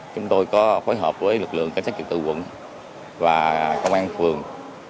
chúng tôi có phối hợp với lực lượng cảnh sát trực tự quận và công an phường